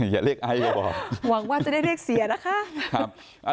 อย่าเรียกไอซ์บอกหวังว่าจะได้เรียกเสียนะคะ